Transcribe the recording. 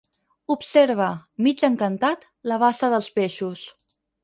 Observa, mig encantat, la bassa dels peixos.